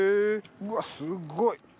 うわすっごい。